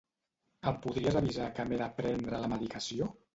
Em podries avisar que m'he de prendre la medicació?